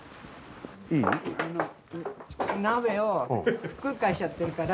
鍋をひっくり返しちゃってるから。